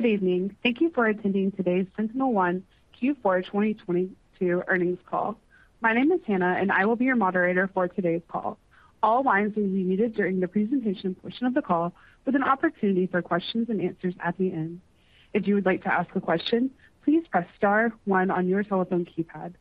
Good evening. Thank you for attending today's SentinelOne Q4 2022 earnings call. My name is Hannah, and I will be your moderator for today's call. All lines will be muted during the presentation portion of the call, with an opportunity for questions and answers at the end. If you would like to ask a question, please press star one on your telephone keypad.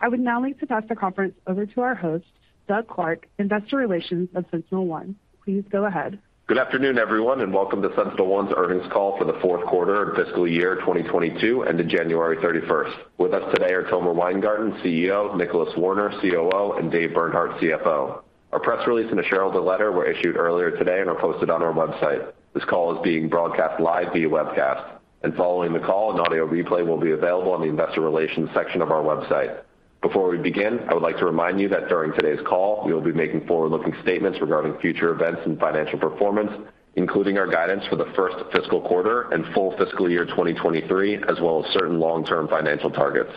I would now like to pass the conference over to our host, Doug Clark, Investor Relations of SentinelOne. Please go ahead. Good afternoon, everyone, and welcome to SentinelOne's earnings call for the Q4 of fiscal year 2022 ended January 31. With us today are Tomer Weingarten, CEO, Nicholas Warner, COO, and Dave Bernhardt, CFO. Our press release and a shareholder letter were issued earlier today and are posted on our website. This call is being broadcast live via webcast. Following the call, an audio replay will be available on the investor relations section of our website. Before we begin, I would like to remind you that during today's call, we will be making forward-looking statements regarding future events and financial performance, including our guidance for the first fiscal quarter and full fiscal year 2023, as well as certain long-term financial targets.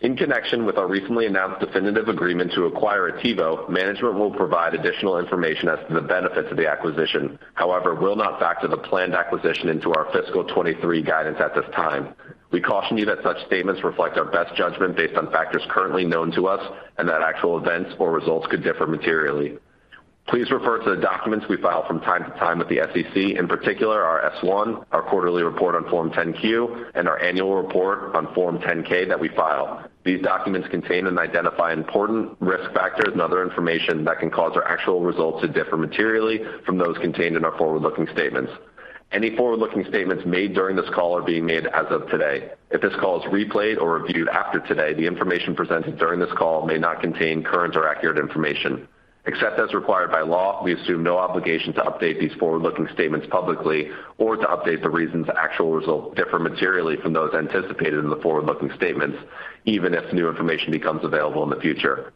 In connection with our recently announced definitive agreement to acquire Attivo, management will provide additional information as to the benefits of the acquisition. However, we'll not factor the planned acquisition into our fiscal 2023 guidance at this time. We caution you that such statements reflect our best judgment based on factors currently known to us and that actual events or results could differ materially. Please refer to the documents we file from time to time with the SEC, in particular our S-1, our quarterly report on Form 10-Q, and our annual report on Form 10-K that we file. These documents contain and identify important risk factors and other information that can cause our actual results to differ materially from those contained in our forward-looking statements. Any forward-looking statements made during this call are being made as of today. If this call is replayed or reviewed after today, the information presented during this call may not contain current or accurate information. Except as required by law, we assume no obligation to update these forward-looking statements publicly or to update the reasons actual results differ materially from those anticipated in the forward-looking statements, even if new information becomes available in the future.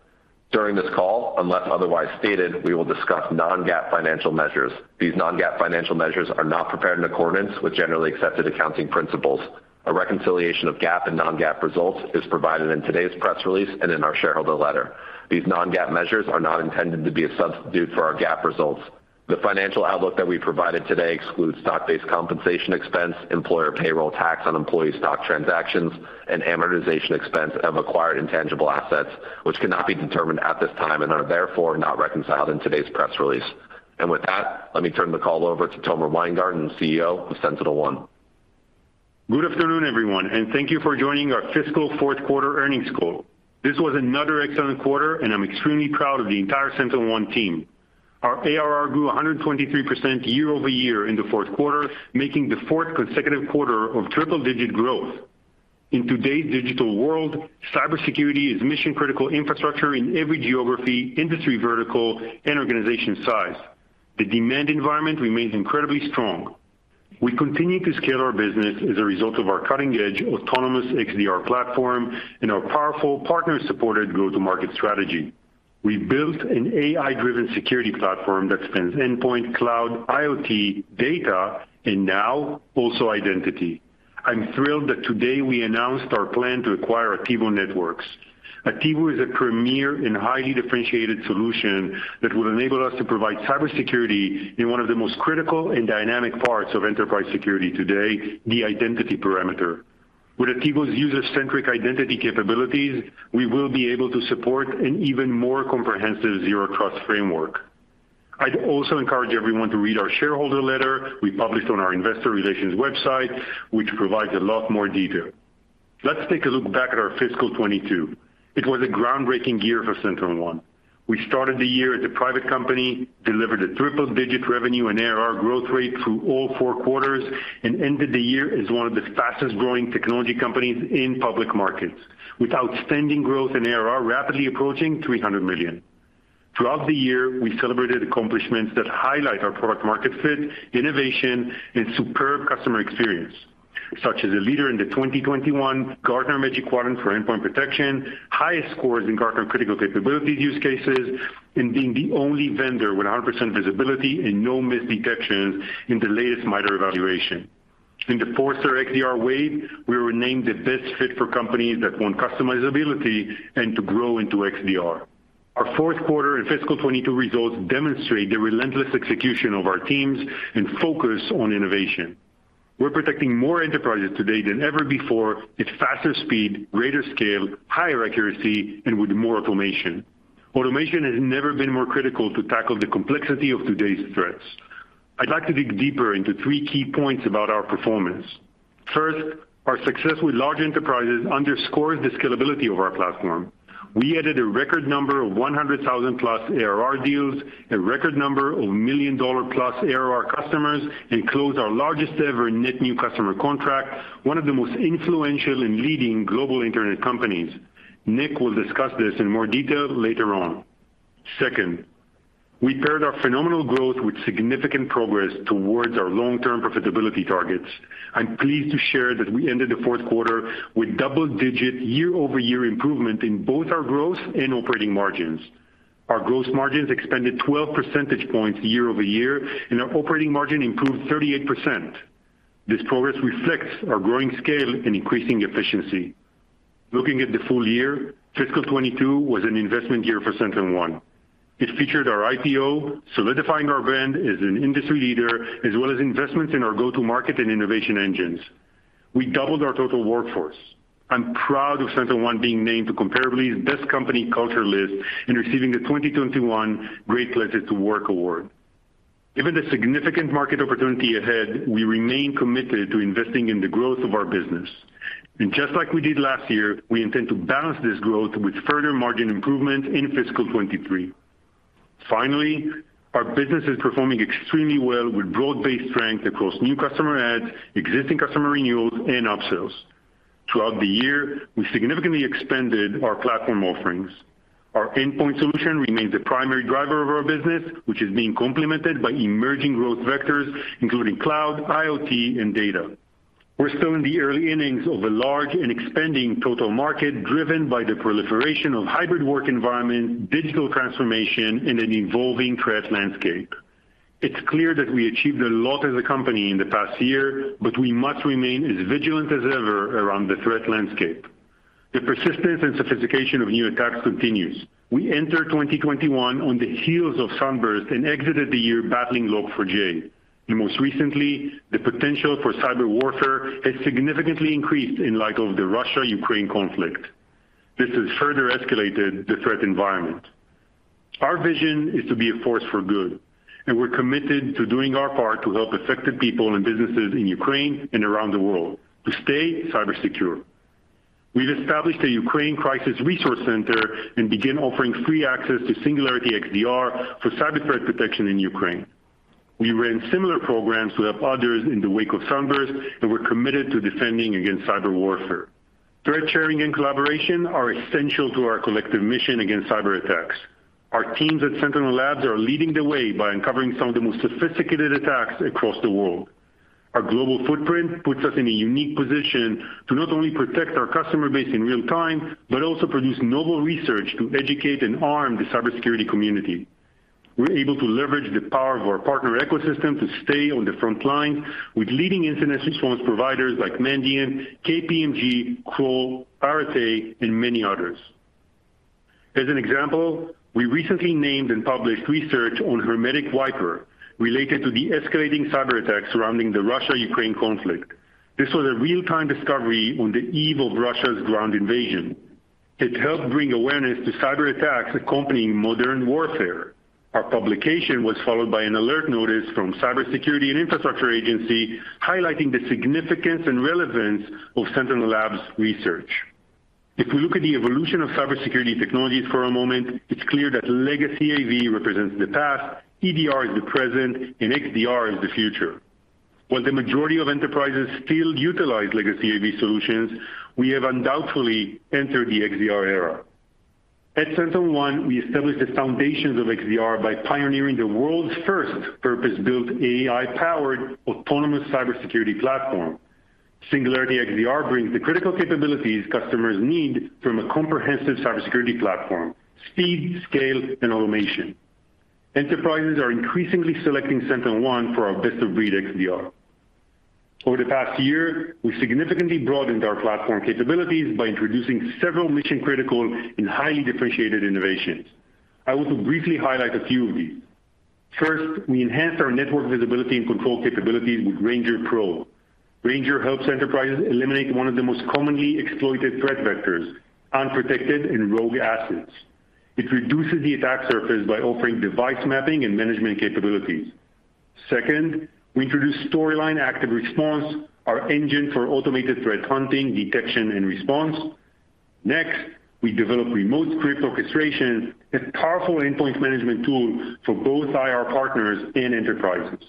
During this call, unless otherwise stated, we will discuss non-GAAP financial measures. These non-GAAP financial measures are not prepared in accordance with generally accepted accounting principles. A reconciliation of GAAP and non-GAAP results is provided in today's press release and in our shareholder letter. These non-GAAP measures are not intended to be a substitute for our GAAP results. The financial outlook that we provided today excludes stock-based compensation expense, employer payroll tax on employee stock transactions, and amortization expense of acquired intangible assets, which cannot be determined at this time and are therefore not reconciled in today's press release. With that, let me turn the call over to Tomer Weingarten, CEO of SentinelOne. Good afternoon, everyone, and thank you for joining our fiscal Q4 earnings call. This was another excellent quarter, and I'm extremely proud of the entire SentinelOne team. Our ARR grew 123% year-over-year in the Q4, making the fourth consecutive quarter of triple-digit growth. In today's digital world, cybersecurity is mission-critical infrastructure in every geography, industry vertical, and organization size. The demand environment remains incredibly strong. We continue to scale our business as a result of our cutting-edge autonomous XDR platform and our powerful partner-supported go-to-market strategy. We built an AI-driven security platform that spans endpoint, cloud, IoT, data, and now also identity. I'm thrilled that today we announced our plan to acquire Attivo Networks. Attivo is a premier and highly differentiated solution that will enable us to provide cybersecurity in one of the most critical and dynamic parts of enterprise security today, the identity perimeter. With Attivo's user-centric identity capabilities, we will be able to support an even more comprehensive Zero Trust framework. I'd also encourage everyone to read our shareholder letter we published on our investor relations website, which provides a lot more detail. Let's take a look back at our fiscal 2022. It was a groundbreaking year for SentinelOne. We started the year as a private company, delivered a triple-digit revenue and ARR growth rate through all four quarters, and ended the year as one of the fastest-growing technology companies in public markets, with outstanding growth in ARR rapidly approaching $300 million. Throughout the year, we celebrated accomplishments that highlight our product market fit, innovation, and superb customer experience, such as a leader in the 2021 Gartner Magic Quadrant for endpoint protection, highest scores in Gartner critical capabilities use cases, and being the only vendor with 100% visibility and no misdetections in the latest MITRE evaluation. In the Forrester XDR Wave, we were named the best fit for companies that want customizability and to grow into XDR. Our Q4 and fiscal 2022 results demonstrate the relentless execution of our teams and focus on innovation. We're protecting more enterprises today than ever before at faster speed, greater scale, higher accuracy, and with more automation. Automation has never been more critical to tackle the complexity of today's threats. I'd like to dig deeper into 3 key points about our performance. First, our success with large enterprises underscores the scalability of our platform. We added a record number of 100,000-plus ARR deals, a record number of $1 million-plus ARR customers, and closed our largest-ever net new customer contract, one of the most influential and leading global internet companies. Nick will discuss this in more detail later on. Second, we paired our phenomenal growth with significant progress towards our long-term profitability targets. I'm pleased to share that we ended the Q4 with double-digit year-over-year improvement in both our growth and operating margins. Our growth margins expanded 12 percentage points year-over-year, and our operating margin improved 38%. This progress reflects our growing scale and increasing efficiency. Looking at the full year, fiscal 2022 was an investment year for SentinelOne. It featured our IPO, solidifying our brand as an industry leader, as well as investments in our go-to-market and innovation engines. We doubled our total workforce. I'm proud of SentinelOne being named to Comparably's Best Company Culture list and receiving the 2021 Great Place to Work Award. Given the significant market opportunity ahead, we remain committed to investing in the growth of our business. Just like we did last year, we intend to balance this growth with further margin improvement in fiscal 2023. Finally, our business is performing extremely well with broad-based strength across new customer adds, existing customer renewals, and upsells. Throughout the year, we significantly expanded our platform offerings. Our endpoint solution remains the primary driver of our business, which is being complemented by emerging growth vectors, including cloud, IoT, and data. We're still in the early innings of a large and expanding total market driven by the proliferation of hybrid work environment, digital transformation, and an evolving threat landscape. It's clear that we achieved a lot as a company in the past year, but we must remain as vigilant as ever around the threat landscape. The persistence and sophistication of new attacks continues. We entered 2021 on the heels of Sunburst and exited the year battling Log4j. Most recently, the potential for cyber warfare has significantly increased in light of the Russia-Ukraine conflict. This has further escalated the threat environment. Our vision is to be a force for good, and we're committed to doing our part to help affected people and businesses in Ukraine and around the world to stay cybersecure. We've established a Ukraine Crisis Resource Center and begin offering free access to Singularity XDR for cyber threat protection in Ukraine. We ran similar programs to help others in the wake of Sunburst, and we're committed to defending against cyber warfare. Threat sharing and collaboration are essential to our collective mission against cyberattacks. Our teams at SentinelLabs are leading the way by uncovering some of the most sophisticated attacks across the world. Our global footprint puts us in a unique position to not only protect our customer base in real time, but also produce novel research to educate and arm the cybersecurity community. We're able to leverage the power of our partner ecosystem to stay on the front line with leading incident response providers like Mandiant, KPMG, Kroll, RSA, and many others. As an example, we recently named and published research on HermeticWiper related to the escalating cyberattacks surrounding the Russia-Ukraine conflict. This was a real-time discovery on the eve of Russia's ground invasion. It helped bring awareness to cyberattacks accompanying modern warfare. Our publication was followed by an alert notice from Cybersecurity and Infrastructure Security Agency highlighting the significance and relevance of SentinelLabs' research. If we look at the evolution of cybersecurity technologies for a moment, it's clear that legacy AV represents the past, EDR is the present, and XDR is the future. While the majority of enterprises still utilize legacy AV solutions, we have undoubtedly entered the XDR era. At SentinelOne, we established the foundations of XDR by pioneering the world's first purpose-built AI-powered autonomous cybersecurity platform. Singularity XDR brings the critical capabilities customers need from a comprehensive cybersecurity platform, speed, scale, and automation. Enterprises are increasingly selecting SentinelOne for our best-of-breed XDR. Over the past year, we significantly broadened our platform capabilities by introducing several mission-critical and highly differentiated innovations. I want to briefly highlight a few of these. First, we enhanced our network visibility and control capabilities with Ranger Pro. Ranger helps enterprises eliminate one of the most commonly exploited threat vectors, unprotected and rogue assets. It reduces the attack surface by offering device mapping and management capabilities. Second, we introduced Storyline Active Response, our engine for automated threat hunting, detection, and response. Next, we developed Remote Script Orchestration, a powerful endpoint management tool for both IR partners and enterprises.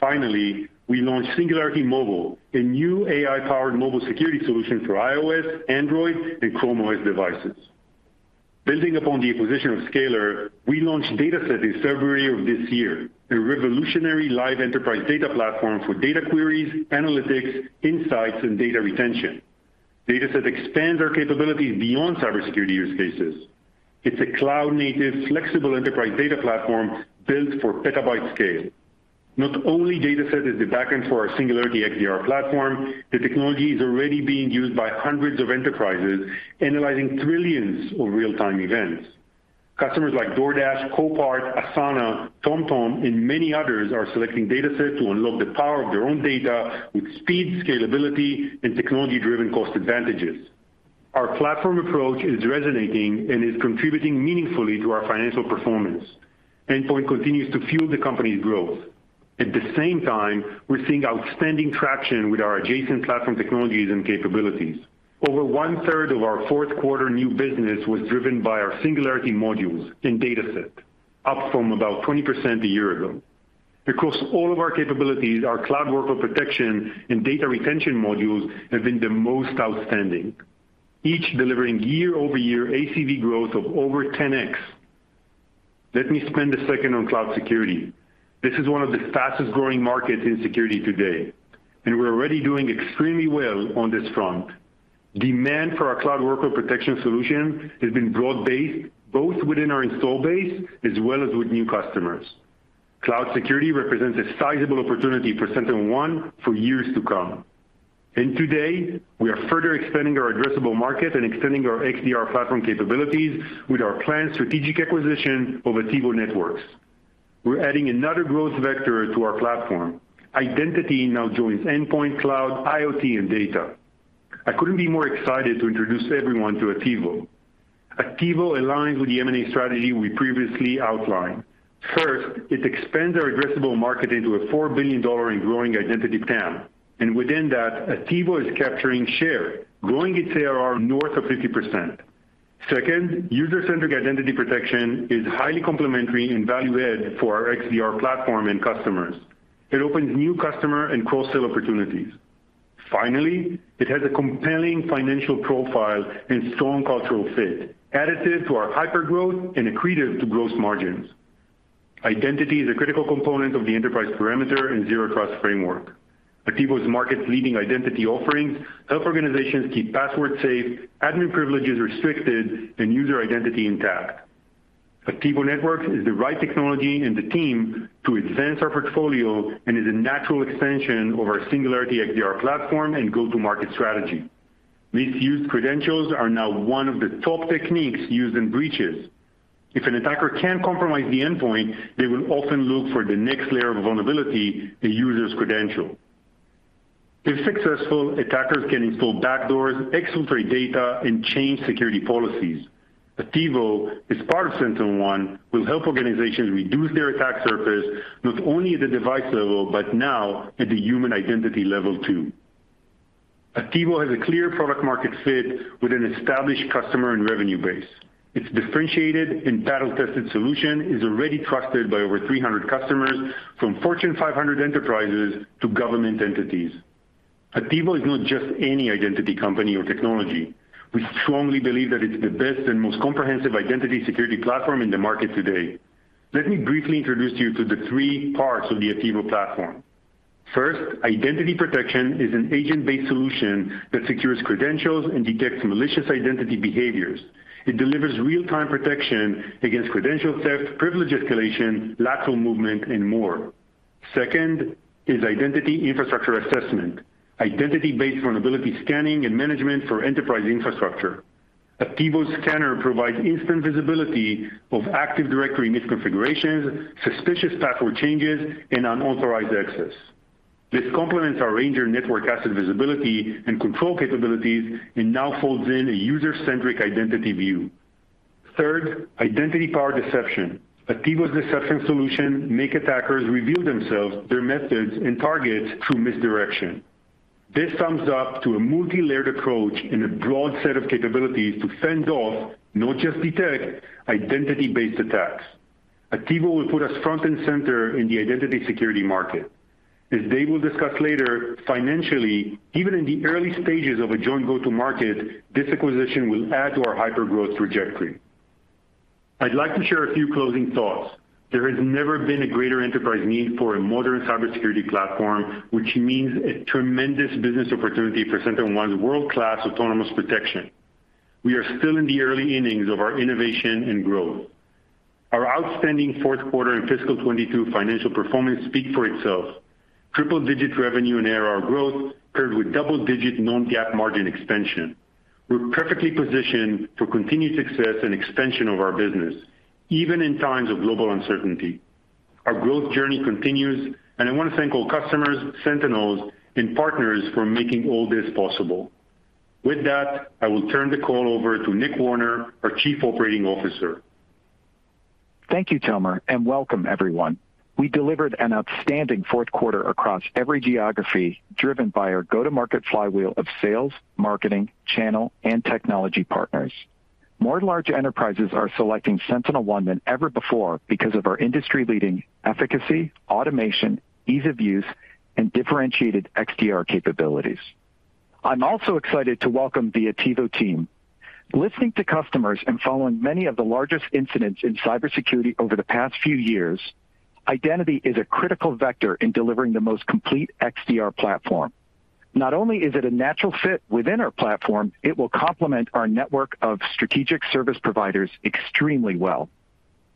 Finally, we launched Singularity Mobile, a new AI-powered mobile security solution for iOS, Android, and Chrome OS devices. Building upon the acquisition of Scalyr, we launched DataSet in February of this year, a revolutionary live enterprise data platform for data queries, analytics, insights, and data retention. DataSet expands our capabilities beyond cybersecurity use cases. It's a cloud-native, flexible enterprise data platform built for petabyte scale. Not only is DataSet the backend for our Singularity XDR platform, the technology is already being used by hundreds of enterprises analyzing trillions of real-time events. Customers like DoorDash, Copart, Asana, TomTom, and many others are selecting DataSet to unlock the power of their own data with speed, scalability, and technology-driven cost advantages. Our platform approach is resonating and is contributing meaningfully to our financial performance. Endpoint continues to fuel the company's growth. At the same time, we're seeing outstanding traction with our adjacent platform technologies and capabilities. Over one-third of our Q4 new business was driven by our Singularity modules in DataSet, up from about 20% a year ago. Across all of our capabilities, our cloud workload protection and data retention modules have been the most outstanding, each delivering year-over-year ACV growth of over 10x. Let me spend a second on cloud security. This is one of the fastest-growing markets in security today, and we're already doing extremely well on this front. Demand for our cloud workload protection solution has been broad-based, both within our install base as well as with new customers. Cloud security represents a sizable opportunity for SentinelOne for years to come. Today, we are further expanding our addressable market and extending our XDR platform capabilities with our planned strategic acquisition of Attivo Networks. We're adding another growth vector to our platform. Identity now joins endpoint cloud, IoT, and data. I couldn't be more excited to introduce everyone to Attivo. Attivo aligns with the M&A strategy we previously outlined. First, it expands our addressable market into a $4 billion and growing identity TAM. Within that, Attivo is capturing share, growing its ARR north of 50%. Second, user-centric identity protection is highly complementary and value add for our XDR platform and customers. It opens new customer and cross-sell opportunities. Finally, it has a compelling financial profile and strong cultural fit, additive to our hypergrowth and accretive to gross margins. Identity is a critical component of the enterprise perimeter and Zero Trust framework. Attivo's market-leading identity offerings help organizations keep passwords safe, admin privileges restricted, and user identity intact. Attivo Networks is the right technology and the team to advance our portfolio and is a natural extension of our Singularity XDR platform and go-to-market strategy. Misused credentials are now one of the top techniques used in breaches. If an attacker can't compromise the endpoint, they will often look for the next layer of vulnerability, the user's credential. If successful, attackers can install backdoors, exfiltrate data, and change security policies. Attivo, as part of SentinelOne, will help organizations reduce their attack surface, not only at the device level, but now at the human identity level too. Attivo has a clear product market fit with an established customer and revenue base. Its differentiated and battle-tested solution is already trusted by over 300 customers, from Fortune 500 enterprises to government entities. Attivo is not just any identity company or technology. We strongly believe that it's the best and most comprehensive identity security platform in the market today. Let me briefly introduce you to the three parts of the Attivo platform. First, identity protection is an agent-based solution that secures credentials and detects malicious identity behaviors. It delivers real-time protection against credential theft, privilege escalation, lateral movement, and more. Second is identity infrastructure assessment, identity-based vulnerability scanning and management for enterprise infrastructure. Attivo's scanner provides instant visibility of Active Directory misconfigurations, suspicious password changes, and unauthorized access. This complements our Ranger network asset visibility and control capabilities and now folds in a user-centric identity view. Third, identity-powered deception. Attivo's deception solution make attackers reveal themselves, their methods, and targets through misdirection. This sums up to a multilayered approach and a broad set of capabilities to fend off, not just detect, identity-based attacks. Attivo will put us front and center in the identity security market. As Dave will discuss later, financially, even in the early stages of a joint go-to-market, this acquisition will add to our hypergrowth trajectory. I'd like to share a few closing thoughts. There has never been a greater enterprise need for a modern cybersecurity platform, which means a tremendous business opportunity for SentinelOne's world-class autonomous protection. We are still in the early innings of our innovation and growth. Our outstanding Q4 and fiscal 2022 financial performance speak for itself. Triple-digit revenue and ARR growth paired with double-digit non-GAAP margin expansion. We're perfectly positioned for continued success and expansion of our business, even in times of global uncertainty. Our growth journey continues, and I want to thank all customers, Sentinels, and partners for making all this possible. With that, I will turn the call over to Nick Warner, our Chief Operating Officer. Thank you, Tomer, and welcome everyone. We delivered an outstanding Q4 across every geography, driven by our go-to-market flywheel of sales, marketing, channel, and technology partners. More large enterprises are selecting SentinelOne than ever before because of our industry-leading efficacy, automation, ease of use, and differentiated XDR capabilities. I'm also excited to welcome the Attivo team. Listening to customers and following many of the largest incidents in cybersecurity over the past few years, identity is a critical vector in delivering the most complete XDR platform. Not only is it a natural fit within our platform, it will complement our network of strategic service providers extremely well.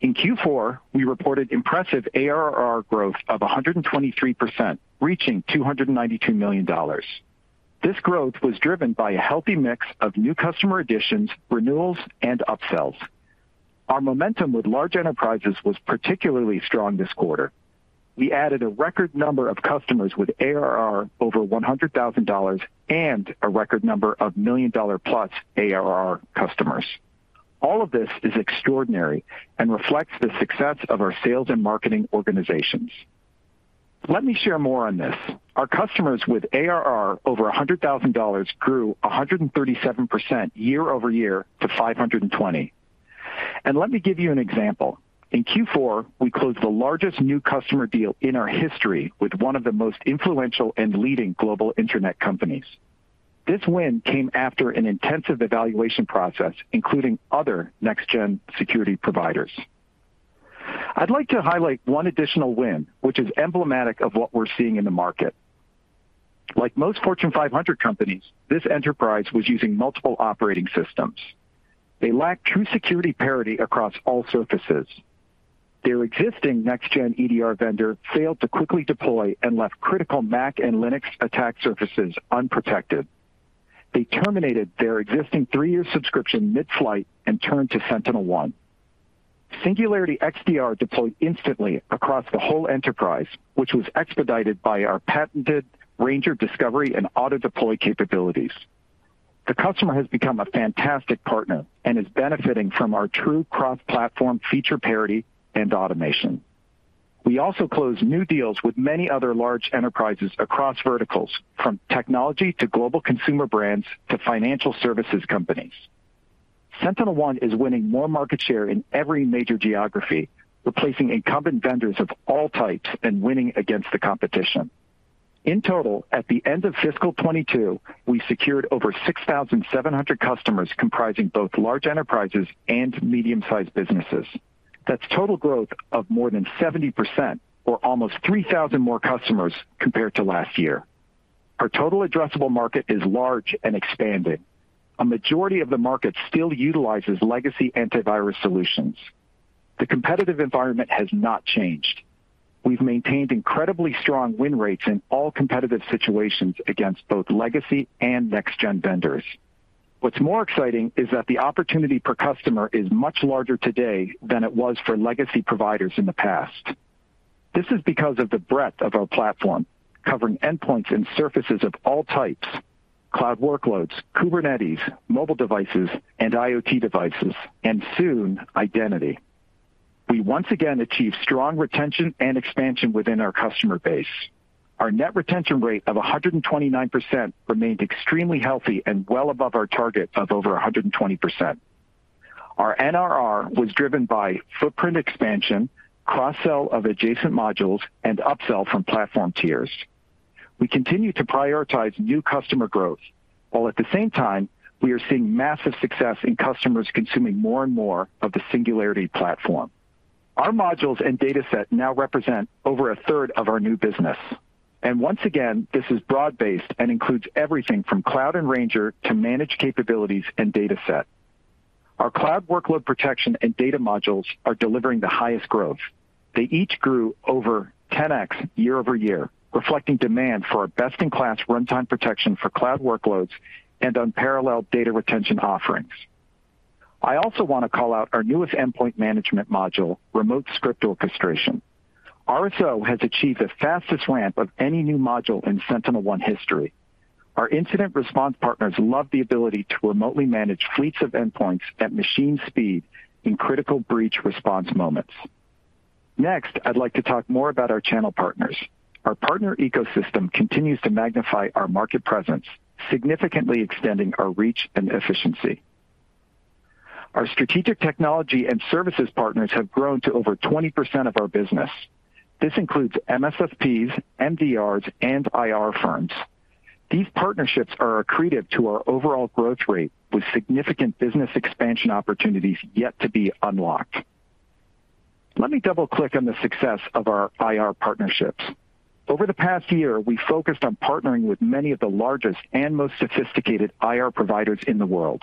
In Q4, we reported impressive ARR growth of 123%, reaching $292 million. This growth was driven by a healthy mix of new customer additions, renewals, and upsells. Our momentum with large enterprises was particularly strong this quarter. We added a record number of customers with ARR over $100,000 and a record number of $1 million-plus ARR customers. All of this is extraordinary and reflects the success of our sales and marketing organizations. Let me share more on this. Our customers with ARR over $100,000 grew 137% year-over-year to 520. Let me give you an example. In Q4, we closed the largest new customer deal in our history with one of the most influential and leading global internet companies. This win came after an intensive evaluation process, including other next-gen security providers. I'd like to highlight one additional win, which is emblematic of what we're seeing in the market. Like most Fortune 500 companies, this enterprise was using multiple operating systems. They lacked true security parity across all surfaces. Their existing next-gen EDR vendor failed to quickly deploy and left critical Mac and Linux attack surfaces unprotected. They terminated their existing 3-year subscription mid-flight and turned to SentinelOne. Singularity XDR deployed instantly across the whole enterprise, which was expedited by our patented Ranger discovery and auto-deploy capabilities. The customer has become a fantastic partner and is benefiting from our true cross-platform feature parity and automation. We also closed new deals with many other large enterprises across verticals, from technology to global consumer brands to financial services companies. SentinelOne is winning more market share in every major geography, replacing incumbent vendors of all types and winning against the competition. In total, at the end of fiscal 2022, we secured over 6,700 customers comprising both large enterprises and medium-sized businesses. That's total growth of more than 70% or almost 3,000 more customers compared to last year. Our total addressable market is large and expanding. A majority of the market still utilizes legacy antivirus solutions. The competitive environment has not changed. We've maintained incredibly strong win rates in all competitive situations against both legacy and next-gen vendors. What's more exciting is that the opportunity per customer is much larger today than it was for legacy providers in the past. This is because of the breadth of our platform, covering endpoints and surfaces of all types, cloud workloads, Kubernetes, mobile devices, and IoT devices, and soon, identity. We once again achieved strong retention and expansion within our customer base. Our net retention rate of 129% remained extremely healthy and well above our target of over 120%. Our NRR was driven by footprint expansion, cross-sell of adjacent modules, and upsell from platform tiers. We continue to prioritize new customer growth, while at the same time, we are seeing massive success in customers consuming more and more of the Singularity platform. Our modules and DataSet now represent over a third of our new business. Once again, this is broad-based and includes everything from cloud and Ranger to managed capabilities and DataSet. Our cloud workload protection and data modules are delivering the highest growth. They each grew over 10x year-over-year, reflecting demand for our best-in-class runtime protection for cloud workloads and unparalleled data retention offerings. I also want to call out our newest endpoint management module, Remote Script Orchestration. RSO has achieved the fastest ramp of any new module in SentinelOne history. Our incident response partners love the ability to remotely manage fleets of endpoints at machine speed in critical breach response moments. Next, I'd like to talk more about our channel partners. Our partner ecosystem continues to magnify our market presence, significantly extending our reach and efficiency. Our strategic technology and services partners have grown to over 20% of our business. This includes MSSPs, MDRs, and IR firms. These partnerships are accretive to our overall growth rate, with significant business expansion opportunities yet to be unlocked. Let me double-click on the success of our IR partnerships. Over the past year, we focused on partnering with many of the largest and most sophisticated IR providers in the world.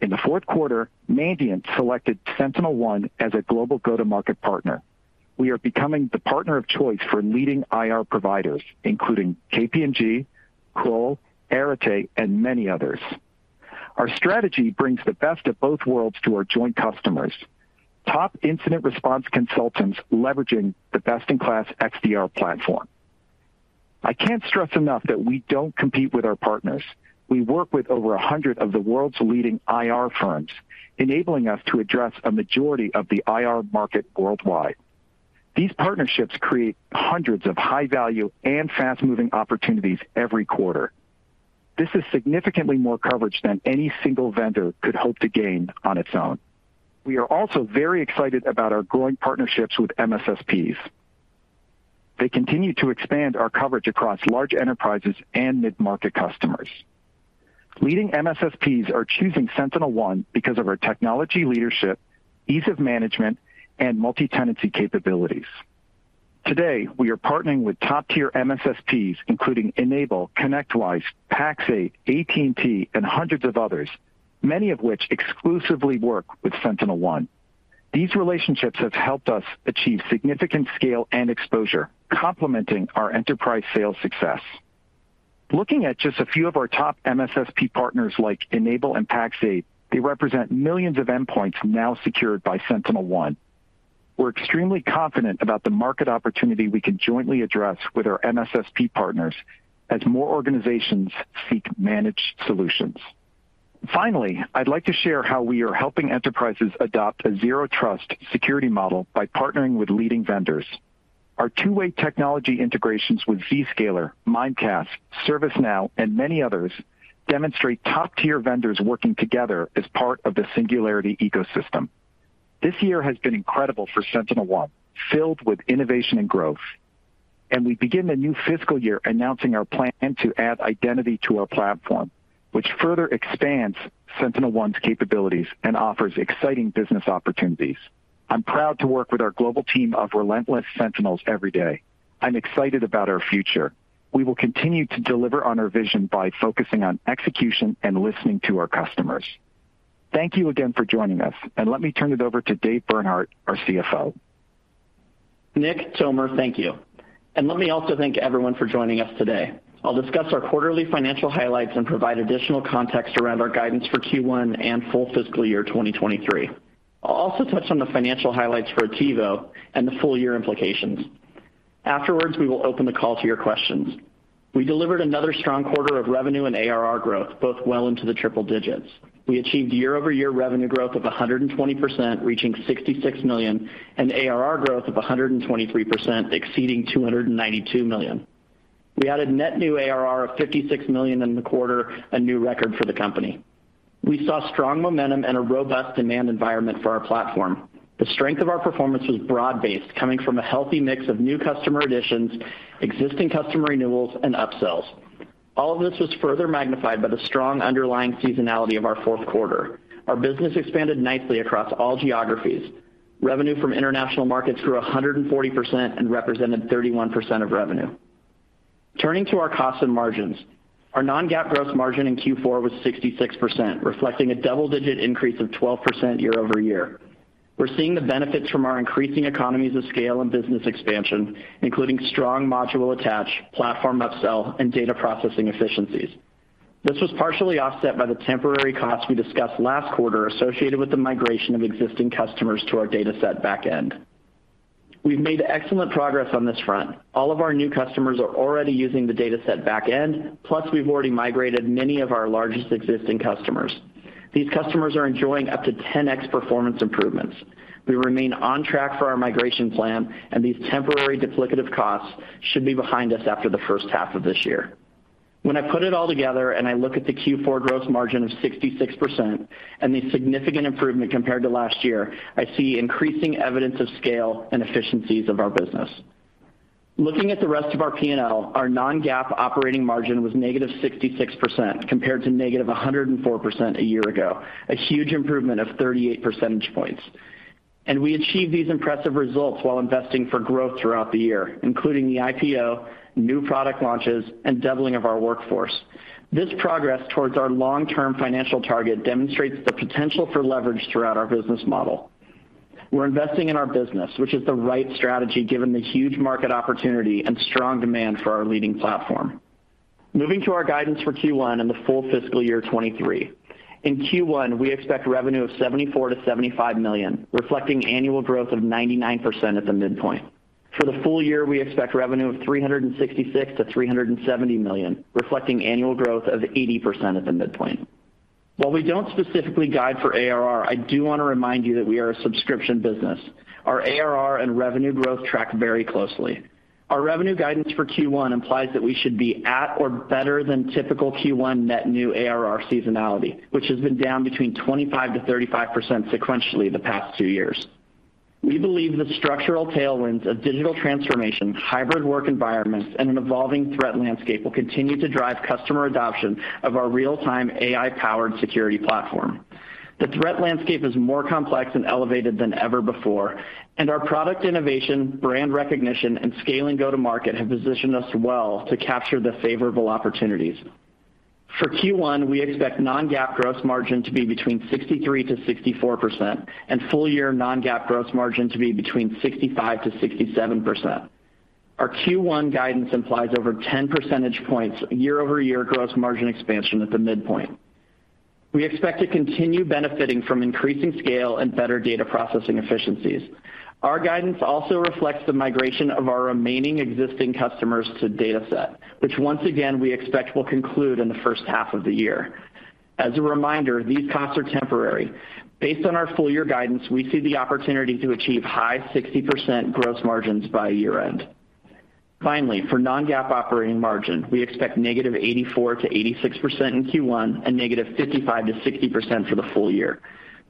In the Q4, Mandiant selected SentinelOne as a global go-to-market partner. We are becoming the partner of choice for leading IR providers, including KPMG, Kroll, Arete, and many others. Our strategy brings the best of both worlds to our joint customers. Top incident response consultants leveraging the best-in-class XDR platform. I can't stress enough that we don't compete with our partners. We work with over a hundred of the world's leading IR firms, enabling us to address a majority of the IR market worldwide. These partnerships create hundreds of high-value and fast-moving opportunities every quarter. This is significantly more coverage than any single vendor could hope to gain on its own. We are also very excited about our growing partnerships with MSSPs. They continue to expand our coverage across large enterprises and mid-market customers. Leading MSSPs are choosing SentinelOne because of our technology leadership, ease of management, and multi-tenancy capabilities. Today, we are partnering with top-tier MSSPs, including N-able, ConnectWise, Pax8, AT&T, and hundreds of others, many of which exclusively work with SentinelOne. These relationships have helped us achieve significant scale and exposure, complementing our enterprise sales success. Looking at just a few of our top MSSP partners, like N-able and Pax8, they represent millions of endpoints now secured by SentinelOne. We're extremely confident about the market opportunity we can jointly address with our MSSP partners as more organizations seek managed solutions. Finally, I'd like to share how we are helping enterprises adopt a Zero Trust security model by partnering with leading vendors. Our two-way technology integrations with Zscaler, Mimecast, ServiceNow, and many others demonstrate top-tier vendors working together as part of the Singularity ecosystem. This year has been incredible for SentinelOne, filled with innovation and growth, and we begin the new fiscal year announcing our plan to add identity to our platform, which further expands SentinelOne's capabilities and offers exciting business opportunities. I'm proud to work with our global team of relentless sentinels every day. I'm excited about our future. We will continue to deliver on our vision by focusing on execution and listening to our customers. Thank you again for joining us, and let me turn it over to Dave Bernhardt, our CFO. Nick, Tomer, thank you. Let me also thank everyone for joining us today. I'll discuss our quarterly financial highlights and provide additional context around our guidance for Q1 and full fiscal year 2023. I'll also touch on the financial highlights for Attivo and the full year implications. Afterwards, we will open the call to your questions. We delivered another strong quarter of revenue and ARR growth, both well into the triple digits. We achieved year-over-year revenue growth of 120%, reaching $66 million, and ARR growth of 123%, exceeding $292 million. We added net new ARR of $56 million in the quarter, a new record for the company. We saw strong momentum and a robust demand environment for our platform. The strength of our performance was broad-based, coming from a healthy mix of new customer additions, existing customer renewals, and upsells. All of this was further magnified by the strong underlying seasonality of our Q4. Our business expanded nicely across all geographies. Revenue from international markets grew 140% and represented 31% of revenue. Turning to our costs and margins. Our non-GAAP gross margin in Q4 was 66%, reflecting a double-digit increase of 12% year-over-year. We're seeing the benefits from our increasing economies of scale and business expansion, including strong module attach, platform upsell, and data processing efficiencies. This was partially offset by the temporary costs we discussed last quarter associated with the migration of existing customers to our DataSet backend. We've made excellent progress on this front. All of our new customers are already using the DataSet backend, plus we've already migrated many of our largest existing customers. These customers are enjoying up to 10x performance improvements. We remain on track for our migration plan, and these temporary duplicative costs should be behind us after the first half of this year. When I put it all together and I look at the Q4 gross margin of 66% and the significant improvement compared to last year, I see increasing evidence of scale and efficiencies of our business. Looking at the rest of our P&L, our non-GAAP operating margin was -66% compared to -104% a year ago, a huge improvement of 38 percentage points. We achieved these impressive results while investing for growth throughout the year, including the IPO, new product launches, and doubling of our workforce. This progress towards our long-term financial target demonstrates the potential for leverage throughout our business model. We're investing in our business, which is the right strategy given the huge market opportunity and strong demand for our leading platform. Moving to our guidance for Q1 and the full fiscal year 2023. In Q1, we expect revenue of $74 million to $75 million, reflecting annual growth of 99% at the midpoint. For the full year, we expect revenue of $366-$370 million, reflecting annual growth of 80% at the midpoint. While we don't specifically guide for ARR, I do wanna remind you that we are a subscription business. Our ARR and revenue growth track very closely. Our revenue guidance for Q1 implies that we should be at or better than typical Q1 net new ARR seasonality, which has been down between 25%-35% sequentially the past two years. We believe the structural tailwinds of digital transformation, hybrid work environments, and an evolving threat landscape will continue to drive customer adoption of our real-time AI-powered security platform. The threat landscape is more complex and elevated than ever before, and our product innovation, brand recognition, and scale and go-to-market have positioned us well to capture the favorable opportunities. For Q1, we expect non-GAAP gross margin to be between 63%-64% and full year non-GAAP gross margin to be between 65%-67%. Our Q1 guidance implies over 10 percentage points year-over-year gross margin expansion at the midpoint. We expect to continue benefiting from increasing scale and better data processing efficiencies. Our guidance also reflects the migration of our remaining existing customers to DataSet, which once again, we expect will conclude in the first half of the year. As a reminder, these costs are temporary. Based on our full year guidance, we see the opportunity to achieve high 60% gross margins by year-end. Finally, for non-GAAP operating margin, we expect -84% to -86% in Q1 and -55% to -60% for the full year.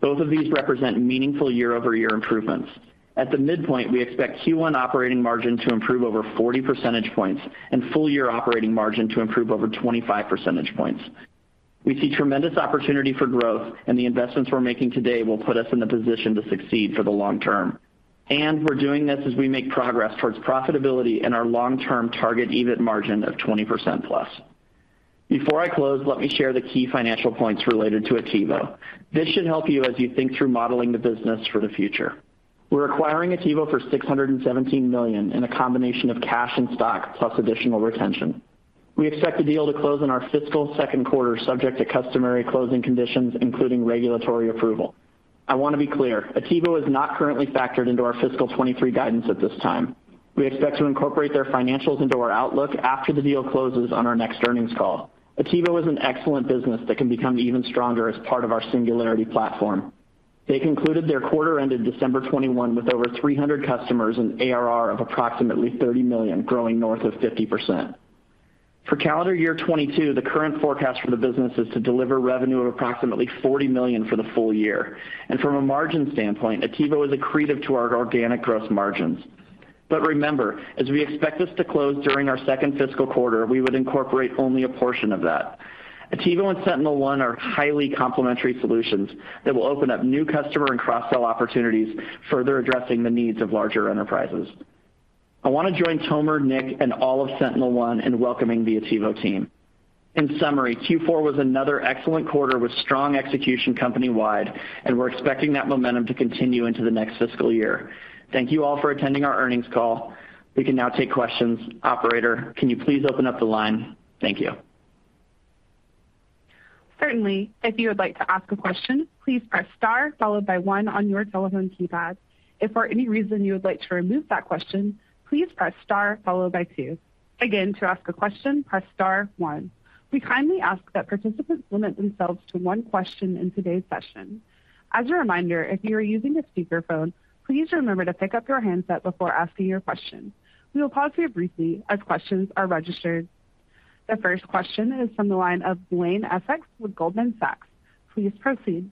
Both of these represent meaningful year-over-year improvements. At the midpoint, we expect Q1 operating margin to improve over 40 percentage points and full year operating margin to improve over 25 percentage points. We see tremendous opportunity for growth, and the investments we're making today will put us in the position to succeed for the long term. We're doing this as we make progress towards profitability and our long-term target EBIT margin of 20% plus. Before I close, let me share the key financial points related to Attivo. This should help you as you think through modeling the business for the future. We're acquiring Attivo for $617 million in a combination of cash and stock plus additional retention. We expect the deal to close in our fiscal Q2 subject to customary closing conditions, including regulatory approval. I wanna be clear, Attivo is not currently factored into our fiscal 2023 guidance at this time, we expect to incorporate their financials into our outlook after the deal closes on our next earnings call. Attivo is an excellent business that can become even stronger as part of our Singularity platform. They concluded their quarter ended December 2021 with over 300 customers and ARR of approximately $30 million, growing north of 50%. For calendar year 2022, the current forecast for the business is to deliver revenue of approximately $40 million for the full year. From a margin standpoint, Attivo is accretive to our organic gross margins. Remember, as we expect this to close during our second fiscal quarter, we would incorporate only a portion of that. Attivo and SentinelOne are highly complementary solutions that will open up new customer and cross-sell opportunities, further addressing the needs of larger enterprises. I want to join Tomer, Nick, and all of SentinelOne in welcoming the Attivo team. In summary, Q4 was another excellent quarter with strong execution company-wide, and we're expecting that momentum to continue into the next fiscal year. Thank you all for attending our earnings call. We can now take questions. Operator, can you please open up the line? Thank you. Certainly. If you would like to ask a question, please press star followed by one on your telephone keypad. If for any reason you would like to remove that question, please press star followed by two. Again, to ask a question, press star one. We kindly ask that participants limit themselves to one question in today's session. As a reminder, if you are using a speakerphone, please remember to pick up your handset before asking your question. We will pause here briefly as questions are registered. The first question is from the line of Brian Essex with Goldman Sachs. Please proceed.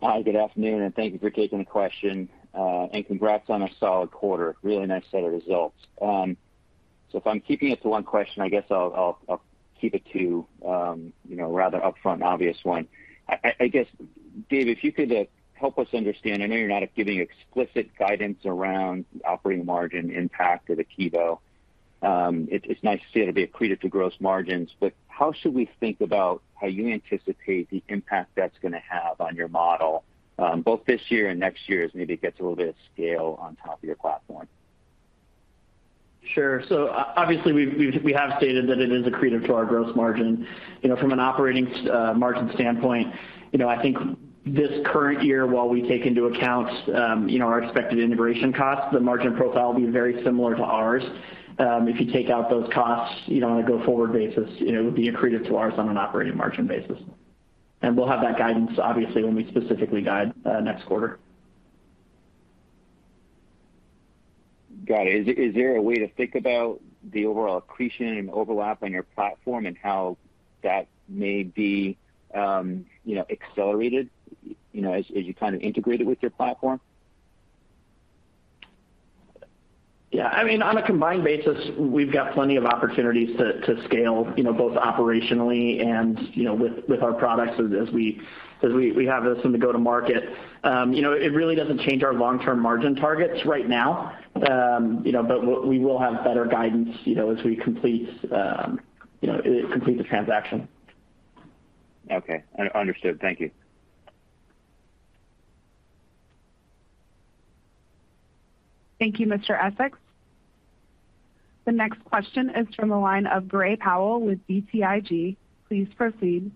Hi, good afternoon, and thank you for taking the question. Congrats on a solid quarter. Really nice set of results. If I'm keeping it to one question, I guess I'll keep it to, you know, rather upfront, obvious one. I guess, Dave, if you could help us understand. I know you're not giving explicit guidance around operating margin impact of Attivo. It's nice to see it'll be accretive to gross margins, but how should we think about how you anticipate the impact that's gonna have on your model, both this year and next year as maybe it gets a little bit of scale on top of your platform? Sure. Obviously, we have stated that it is accretive to our gross margin. You know, from an operating margin standpoint, you know, I think this current year, while we take into account, you know, our expected integration costs, the margin profile will be very similar to ours. If you take out those costs, you know, on a go-forward basis, you know, it would be accretive to ours on an operating margin basis. We'll have that guidance, obviously, when we specifically guide, next quarter. Got it. Is there a way to think about the overall accretion and overlap on your platform and how that may be, you know, accelerated, you know, as you kind of integrate it with your platform? Yeah. I mean, on a combined basis, we've got plenty of opportunities to scale, you know, both operationally and, you know, with our products as we have this one to go to market. You know, it really doesn't change our long-term margin targets right now. You know, we will have better guidance, you know, as we complete the transaction. Okay. Understood. Thank you. Thank you, Mr. Essex. The next question is from the line of Gray Powell with BTIG. Please proceed.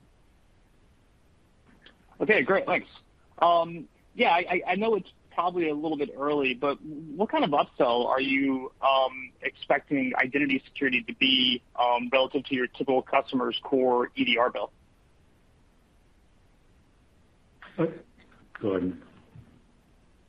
Okay. Great. Thanks. Yeah, I know it's probably a little bit early, but what kind of upsell are you expecting identity security to be relative to your typical customer's core EDR bill? Go ahead.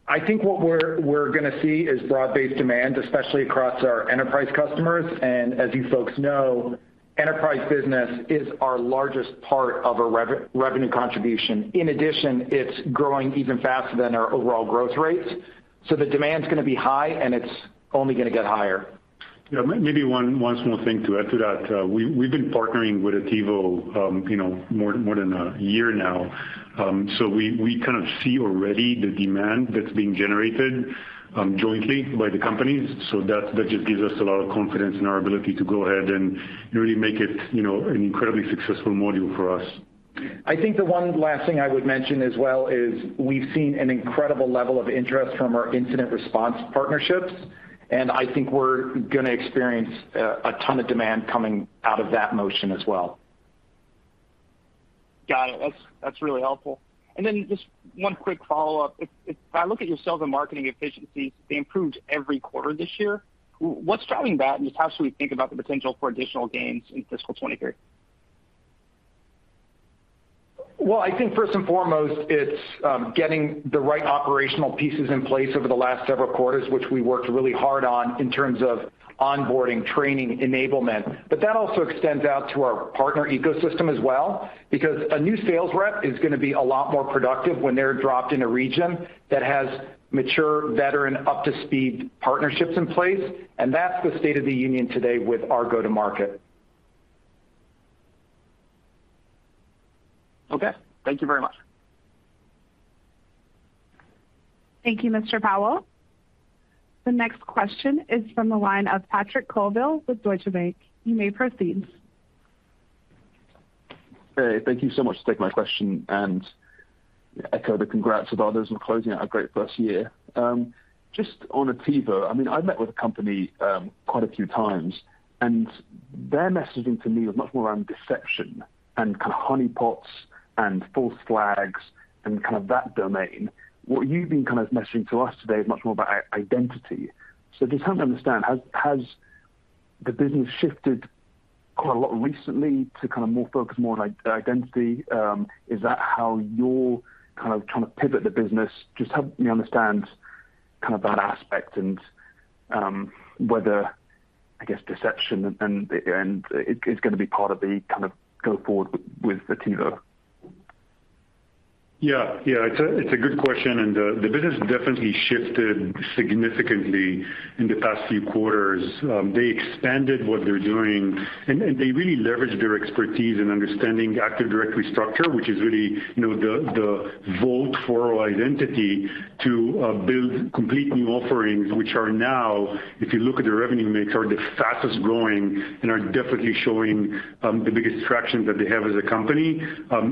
I think what we're gonna see is broad-based demand, especially across our enterprise customers. As you folks know, enterprise business is our largest part of our revenue contribution. In addition, it's growing even faster than our overall growth rates. The demand's gonna be high, and it's only gonna get higher. Yeah. Maybe one small thing to add to that. We've been partnering with Attivo, you know, more than a year now. We kind of see already the demand that's being generated jointly by the companies. That just gives us a lot of confidence in our ability to go ahead and really make it, you know, an incredibly successful module for us. I think the one last thing I would mention as well is we've seen an incredible level of interest from our incident response partnerships, and I think we're gonna experience a ton of demand coming out of that motion as well. Got it. That's really helpful. Just one quick follow-up. If I look at your sales and marketing efficiency, they improved every quarter this year. What's driving that, and just how should we think about the potential for additional gains in fiscal 2023? Well, I think first and foremost, it's getting the right operational pieces in place over the last several quarters, which we worked really hard on in terms of onboarding, training, enablement. That also extends out to our partner ecosystem as well, because a new sales rep is gonna be a lot more productive when they're dropped in a region that has mature, veteran, up-to-speed partnerships in place, and that's the state of the union today with our go-to-market. Okay. Thank you very much. Thank you, Mr. Powell. The next question is from the line of Patrick Colville with Deutsche Bank. You may proceed. Hey, thank you so much for taking my question, and echo the congrats with others on closing out a great first year. Just on Attivo, I mean, I've met with the company quite a few times, and their messaging to me was much more around deception and kind of honeypots and false flags and kind of that domain. What you've been kind of messaging to us today is much more about identity. So just help me understand, has the business shifted quite a lot recently to kind of more focus on identity? Is that how you're kind of trying to pivot the business? Just help me understand kind of that aspect and whether, I guess deception and it's gonna be part of the kind of go-forward with Attivo. Yeah. Yeah, it's a good question, and the business definitely shifted significantly in the past few quarters. They expanded what they're doing and they really leveraged their expertise in understanding Active Directory structure, which is really, you know, the vault for identity to build complete new offerings, which are now, if you look at the revenue mix, are the fastest-growing and are definitely showing the biggest traction that they have as a company.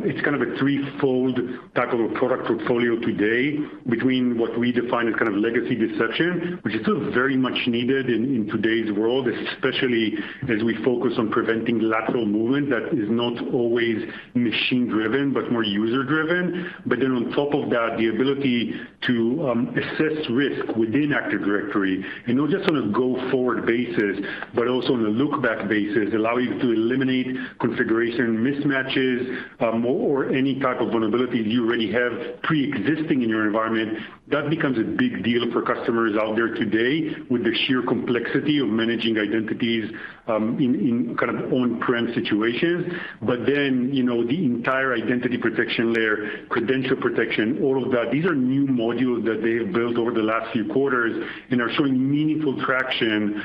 It's kind of a threefold type of a product portfolio today between what we define as kind of legacy deception, which is still very much needed in today's world, especially as we focus on preventing lateral movement that is not always machine-driven but more user-driven. On top of that, the ability to assess risk within Active Directory, you know, just on a go-forward basis but also on a look-back basis, allow you to eliminate configuration mismatches, or any type of vulnerabilities you already have preexisting in your environment. That becomes a big deal for customers out there today with the sheer complexity of managing identities, in kind of on-prem situations. You know, the entire identity protection layer, credential protection, all of that, these are new modules that they have built over the last few quarters and are showing meaningful traction,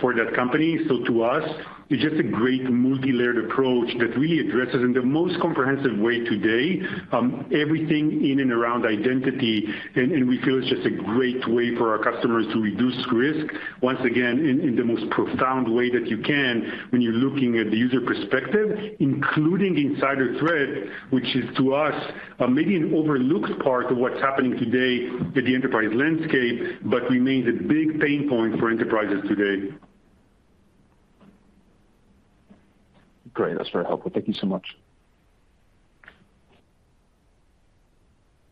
for that company. To us, it's just a great multi-layered approach that really addresses, in the most comprehensive way today, everything in and around identity. We feel it's just a great way for our customers to reduce risk, once again, in the most profound way that you can when you're looking at the user perspective, including insider threat, which is to us, maybe an overlooked part of what's happening today in the enterprise landscape but remains a big pain point for enterprises today. Great. That's very helpful. Thank you so much.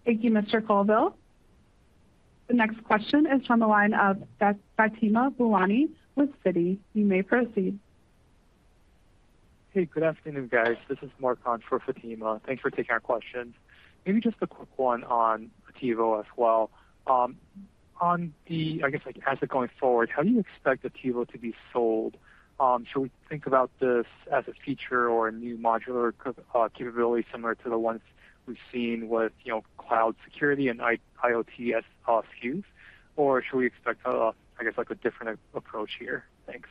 Thank you, Mr. Colville. The next question is from the line of Fatima Boolani with Citi. You may proceed. Hey, good afternoon, guys. This is Mark on for Fatima. Thanks for taking our questions. Maybe just a quick one on Attivo as well. On the I guess, like, as of going forward, how do you expect Attivo to be sold? Should we think about this as a feature or a new modular capability similar to the ones we've seen with, you know, cloud security and IoT SKUs? Or should we expect, I guess, like, a different approach here? Thanks.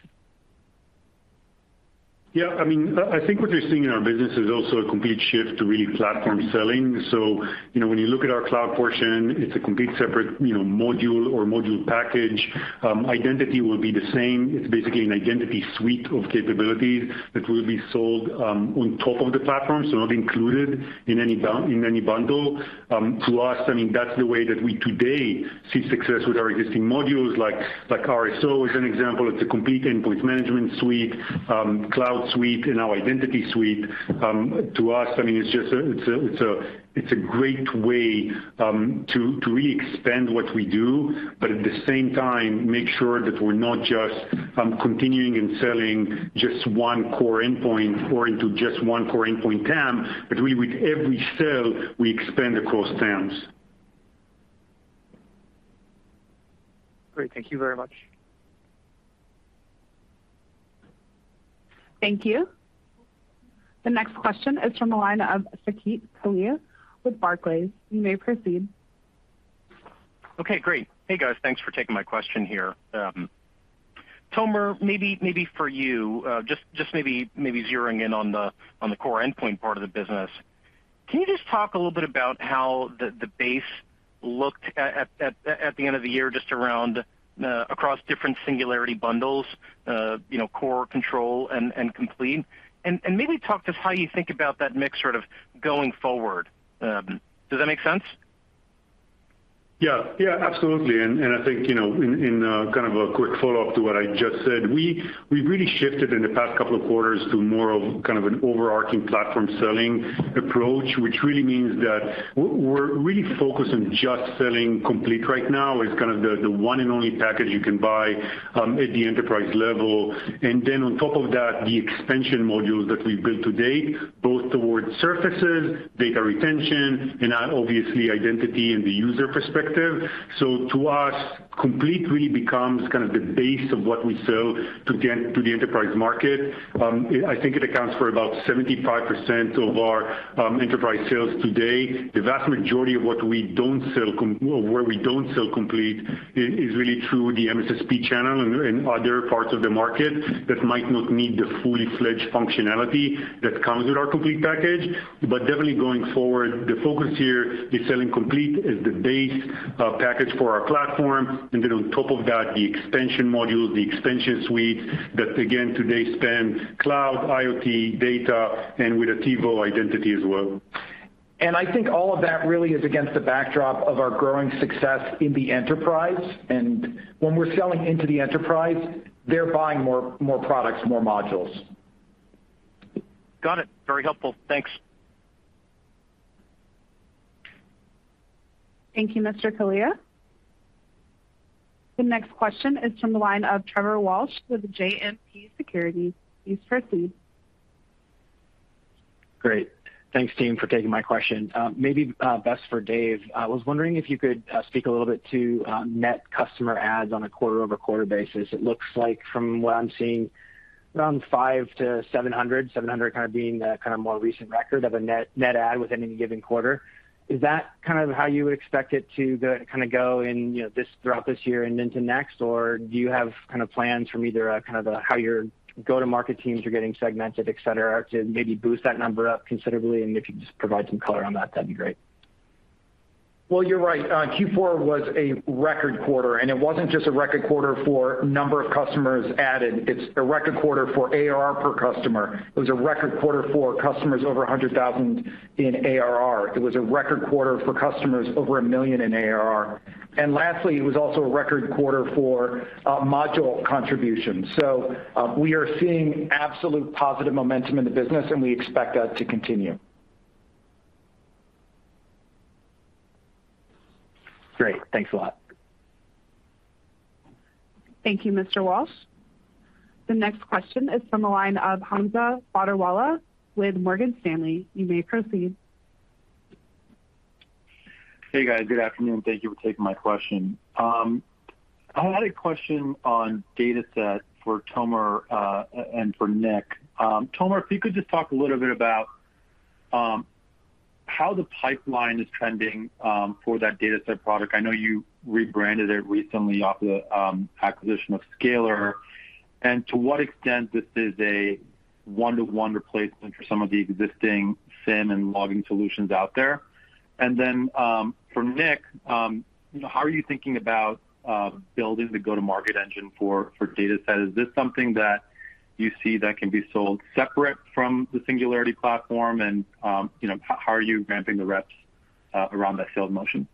Yeah, I mean, I think what you're seeing in our business is also a complete shift to really platform selling. So, you know, when you look at our cloud portion, it's a complete separate, you know, module or module package. Identity will be the same. It's basically an identity suite of capabilities that will be sold on top of the platform, so not included in any bundle. To us, I mean, that's the way that we today see success with our existing modules like RSO as an example. It's a complete endpoint management suite, cloud suite and our identity suite. To us, I mean, it's just a great way to really expand what we do, but at the same time, make sure that we're not just continuing and selling just one core endpoint or into just one core endpoint TAM, but really with every sale we expand across TAMs. Great. Thank you very much. Thank you. The next question is from the line of Saket Kalia with Barclays. You may proceed. Okay, great. Hey, guys. Thanks for taking my question here. Tomer, maybe for you, just maybe zeroing in on the core endpoint part of the business. Can you just talk a little bit about how the base looked at the end of the year, just around across different Singularity bundles, you know, core, control, and complete? Maybe talk to us how you think about that mix sort of going forward. Does that make sense? Yeah. Yeah, absolutely. I think in kind of a quick follow-up to what I just said, we've really shifted in the past couple of quarters to more of kind of an overarching platform selling approach, which really means that we're really focused on just selling Complete right now as kind of the one and only package you can buy at the enterprise level. Then on top of that, the expansion modules that we've built to date, both towards surfaces, data retention, and obviously identity and the user perspective. To us, Complete really becomes kind of the base of what we sell to the enterprise market. I think it accounts for about 75% of our enterprise sales today. The vast majority of what we don't sell or where we don't sell Complete is really through the MSSP channel and other parts of the market that might not need the fully fledged functionality that comes with our Complete package. Definitely going forward, the focus here is selling Complete as the base package for our platform. Then on top of that, the expansion modules, the expansion suite that again today span cloud, IoT, data and with Attivo, identity as well. I think all of that really is against the backdrop of our growing success in the enterprise. When we're selling into the enterprise, they're buying more products, more modules. Got it. Very helpful. Thanks. Thank you, Mr. Kalia. The next question is from the line of Trevor Walsh with JMP Securities. Please proceed. Great. Thanks team for taking my question. Maybe best for Dave. I was wondering if you could speak a little bit to net customer add on a quarter-over-quarter basis. It looks like from what I'm seeing around 500-700, 700 kind of being the more recent record of a net add within any given quarter. Is that kind of how you would expect it to go in, you know, this throughout this year and into next? Or do you have kind of plans from either kind of how your go-to-market teams are getting segmented, et cetera, to maybe boost that number up considerably? If you can just provide some color on that'd be great. Well, you're right. Q4 was a record quarter, and it wasn't just a record quarter for number of customers added. It's a record quarter for ARR per customer. It was a record quarter for customers over 100,000 in ARR. It was a record quarter for customers over 1 million in ARR. Lastly, it was also a record quarter for module contributions. We are seeing absolute positive momentum in the business, and we expect that to continue. Great. Thanks a lot. Thank you, Mr. Walsh. The next question is from the line of Hamza Fodderwala with Morgan Stanley. You may proceed. Hey, guys. Good afternoon. Thank you for taking my question. I had a question on DataSet for Tomer and for Nick. Tomer, if you could just talk a little bit about how the pipeline is trending for that DataSet product. I know you rebranded it recently off the acquisition of Scalyr, and to what extent this is a one-to-one replacement for some of the existing SIEM and logging solutions out there. For Nick, how are you thinking about building the go-to-market engine for DataSet? Is this something that you see that can be sold separate from the Singularity platform? You know, how are you ramping the reps around that sales motion?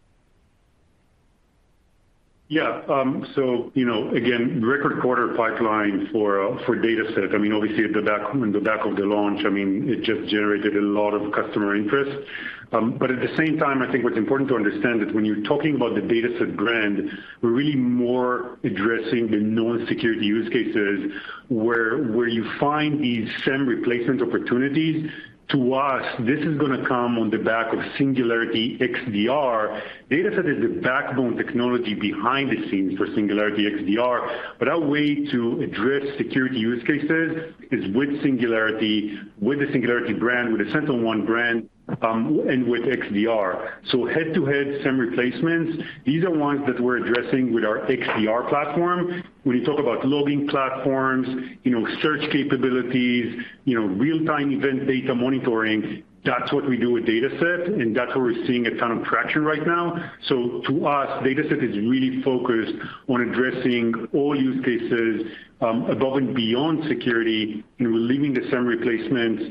Yeah. So, you know, again, record quarter pipeline for DataSet. I mean, obviously on the back of the launch, I mean, it just generated a lot of customer interest. But at the same time, I think what's important to understand is when you're talking about the DataSet brand, we're really more addressing the known security use cases where you find these SIEM replacement opportunities. To us, this is gonna come on the back of Singularity XDR. DataSet is the backbone technology behind the scenes for Singularity XDR. But our way to address security use cases is with Singularity, with the Singularity brand, with the SentinelOne brand, and with XDR. So head-to-head SIEM replacements, these are ones that we're addressing with our XDR platform. When you talk about logging platforms, you know, search capabilities, you know, real-time event data monitoring, that's what we do with DataSet, and that's where we're seeing a ton of traction right now. To us, DataSet is really focused on addressing all use cases above and beyond security, and we're leaving the SIEM replacements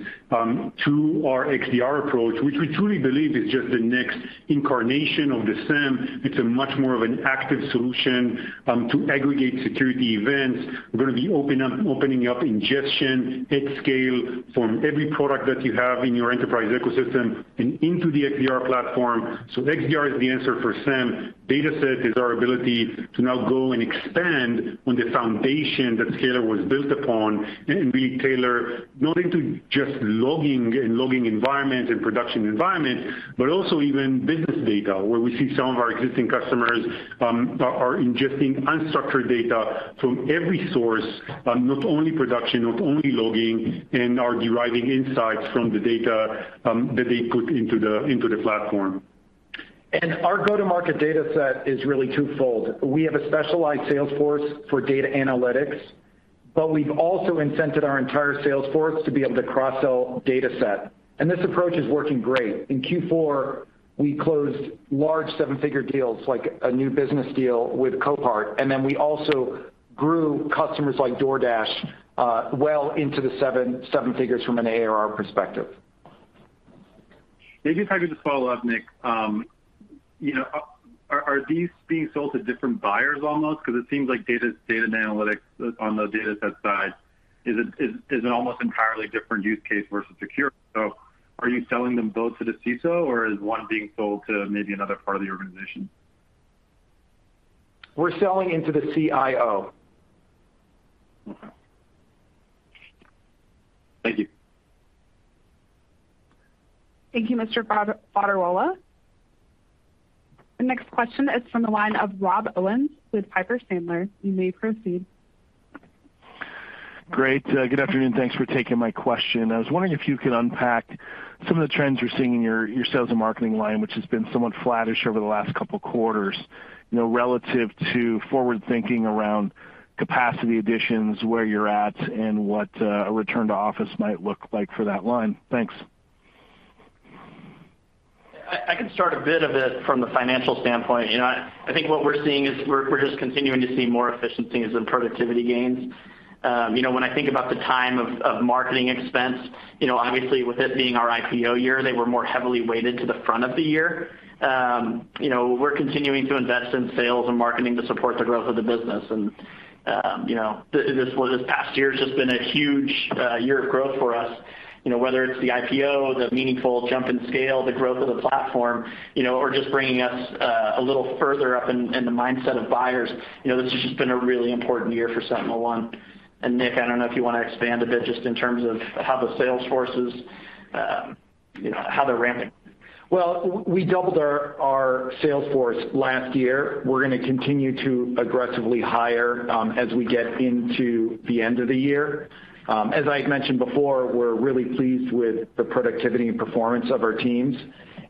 to our XDR approach, which we truly believe is just the next incarnation of the SIEM. It's a much more of an active solution to aggregate security events. We're gonna be opening up ingestion at scale from every product that you have in your enterprise ecosystem and into the XDR platform. XDR is the answer for SIEM. DataSet is our ability to now go and expand on the foundation that Scalyr was built upon and really tailor not into just logging and logging environments and production environments, but also even business data, where we see some of our existing customers are ingesting unstructured data from every source, not only production, not only logging, and are deriving insights from the data that they put into the platform. Our go-to-market DataSet is really twofold. We have a specialized sales force for data analytics, but we've also incented our entire sales force to be able to cross-sell DataSet. This approach is working great. In Q4, we closed large seven-figure deals like a new business deal with Copart, and then we also grew customers like DoorDash, well into the seven figures from an ARR perspective. Maybe if I could just follow up, Nick. You know, are these being sold to different buyers almost? Because it seems like data analytics on the DataSet side is an almost entirely different use case versus secure. So are you selling them both to the CISO, or is one being sold to maybe another part of the organization? We're selling into the CIO. Okay. Thank you. Thank you, Mr. Fodderwala. The next question is from the line of Rob Owens with Piper Sandler. You may proceed. Great. Good afternoon. Thanks for taking my question. I was wondering if you could unpack some of the trends you're seeing in your sales and marketing line, which has been somewhat flattish over the last couple quarters, you know, relative to forward thinking around capacity additions, where you're at and what a return to office might look like for that line. Thanks. I can start a bit of it from the financial standpoint. You know, I think what we're seeing is we're just continuing to see more efficiencies and productivity gains. You know, when I think about the time of marketing expense, you know, obviously with it being our IPO year, they were more heavily weighted to the front of the year. You know, we're continuing to invest in sales and marketing to support the growth of the business. Well, this past year has just been a huge year of growth for us. You know, whether it's the IPO, the meaningful jump in scale, the growth of the platform, you know, or just bringing us a little further up in the mindset of buyers. You know, this has just been a really important year for SentinelOne. Nick, I don't know if you wanna expand a bit just in terms of how the sales force is, you know, how they're ramping. Well, we doubled our sales force last year. We're gonna continue to aggressively hire as we get into the end of the year. As I had mentioned before, we're really pleased with the productivity and performance of our teams.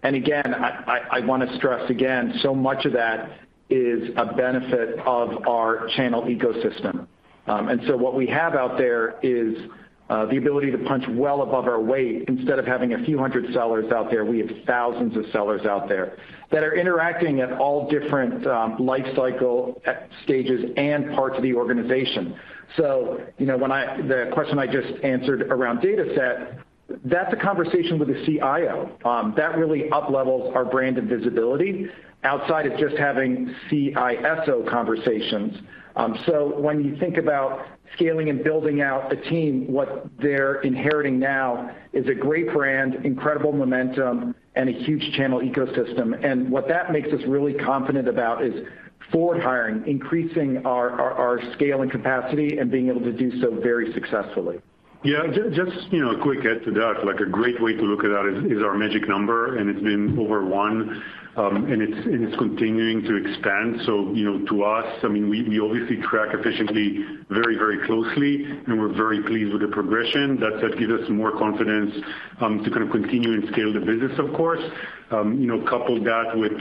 Again, I wanna stress again, so much of that is a benefit of our channel ecosystem. What we have out there is the ability to punch well above our weight. Instead of having a few hundred sellers out there, we have thousands of sellers out there that are interacting at all different lifecycle stages and parts of the organization. You know, the question I just answered around DataSet, that's a conversation with the CIO that really uplevels our brand and visibility outside of just having CISO conversations. When you think about scaling and building out a team, what they're inheriting now is a great brand, incredible momentum, and a huge channel ecosystem. What that makes us really confident about is forward hiring, increasing our scale and capacity, and being able to do so very successfully. Yeah. Just, you know, a quick add to that. Like a great way to look at that is our magic number, and it's been over 1, and it's continuing to expand. You know, to us, I mean, we obviously track efficiency very, very closely, and we're very pleased with the progression. That gives us more confidence to kind of continue and scale the business, of course. You know, couple that with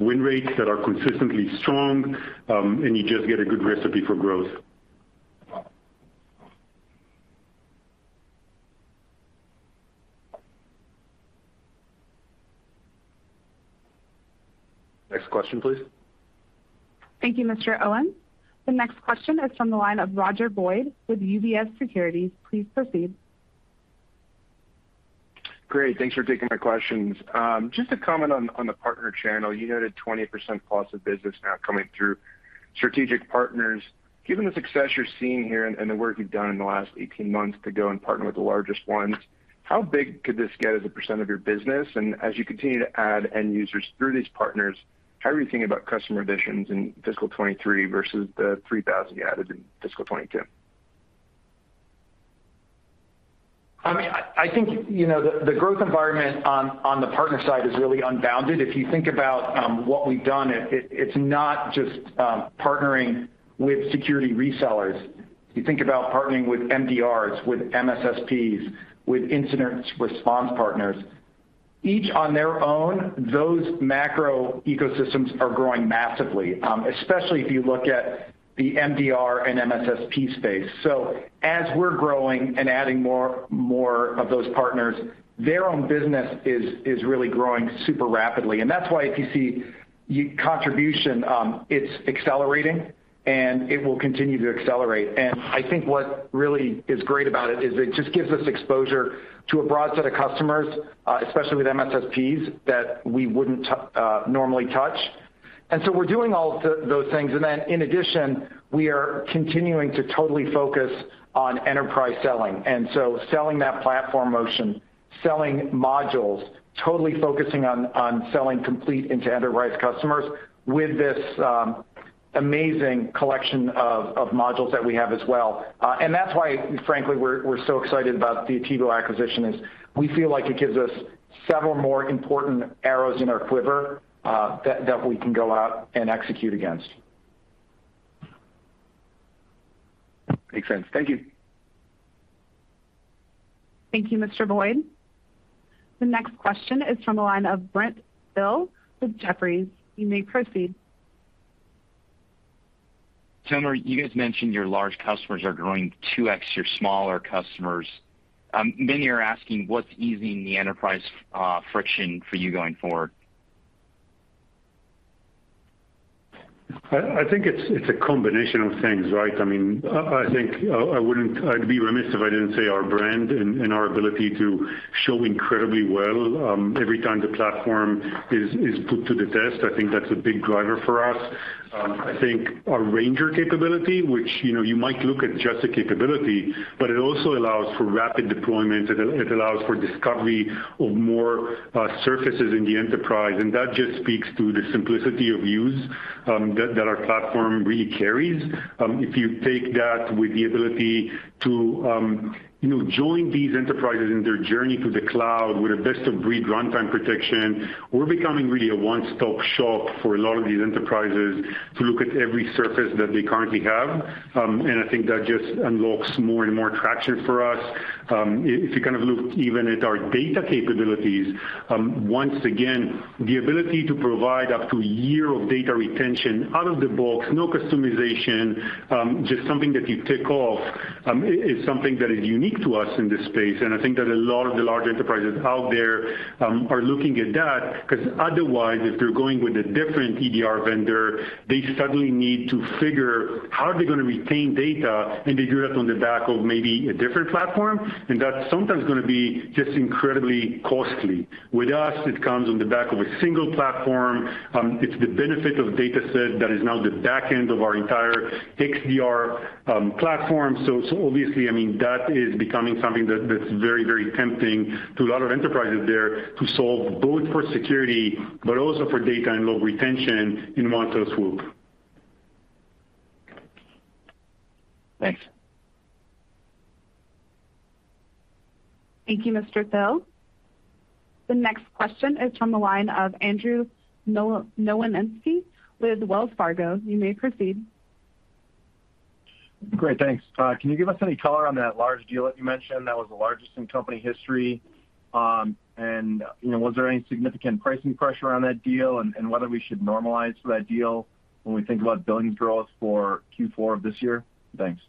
win rates that are consistently strong, and you just get a good recipe for growth. Next question, please. Thank you, Mr. Owens. The next question is from the line of Roger Boyd with UBS Securities. Please proceed. Great. Thanks for taking my questions. Just a comment on the partner channel. You noted 20%+ of business now coming through strategic partners. Given the success you're seeing here and the work you've done in the last 18 months to go and partner with the largest ones, how big could this get as a percent of your business? And as you continue to add end users through these partners, how are you thinking about customer additions in fiscal 2023 versus the 3,000 you added in fiscal 2022? I mean, I think, you know, the growth environment on the partner side is really unbounded. If you think about what we've done, it's not just partnering with security resellers. If you think about partnering with MDRs, with MSSPs, with incident response partners, each on their own, those macro ecosystems are growing massively, especially if you look at the MDR and MSSP space. As we're growing and adding more of those partners, their own business is really growing super rapidly. That's why if you see our contribution, it's accelerating, and it will continue to accelerate. I think what really is great about it is it just gives us exposure to a broad set of customers, especially with MSSPs that we wouldn't normally touch. We're doing all of those things. In addition, we are continuing to totally focus on enterprise selling. Selling that platform motion, selling modules, totally focusing on selling complete into enterprise customers with this amazing collection of modules that we have as well. That's why frankly, we're so excited about the Attivo acquisition is we feel like it gives us several more important arrows in our quiver that we can go out and execute against. Makes sense. Thank you. Thank you, Mr. Boyd. The next question is from the line of Brent Thill with Jefferies. You may proceed. Tomer, you guys mentioned your large customers are growing 2x your smaller customers. Many are asking what's easing the enterprise friction for you going forward? I think it's a combination of things, right? I mean, I think I'd be remiss if I didn't say our brand and our ability to show incredibly well every time the platform is put to the test. I think that's a big driver for us. I think our Ranger capability, which, you know, you might look at just the capability, but it also allows for rapid deployment. It allows for discovery of more surfaces in the enterprise, and that just speaks to the simplicity of use that our platform really carries. If you take that with the ability to, you know, join these enterprises in their journey to the cloud with a best-of-breed runtime protection, we're becoming really a one-stop-shop for a lot of these enterprises to look at every surface that they currently have. I think that just unlocks more and more traction for us. If you kind of look even at our data capabilities, once again, the ability to provide up to a year of data retention out of the box, no customization, just something that you tick off, is something that is unique to us in this space. I think that a lot of the large enterprises out there are looking at that 'cause otherwise, if they're going with a different EDR vendor, they suddenly need to figure how are they gonna retain data, and they do that on the back of maybe a different platform, and that's sometimes gonna be just incredibly costly. With us, it comes on the back of a single platform. It's the benefit of DataSet that is now the back end of our entire XDR platform. So obviously, I mean that is becoming something that's very, very tempting to a lot of enterprises there to solve both for security but also for data and log retention in one fell swoop. Thanks. Thank you, Mr. Thill. The next question is from the line of Andrew Nowinski with Wells Fargo. You may proceed. Great, thanks. Can you give us any color on that large deal that you mentioned that was the largest in company history? You know, was there any significant pricing pressure on that deal and whether we should normalize for that deal when we think about billing growth for Q4 of this year? Thanks.